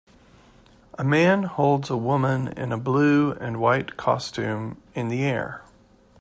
A man holds a woman in a blue and white costume in the air.